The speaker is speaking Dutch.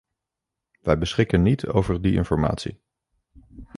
Wij beschikken niet over die informatie.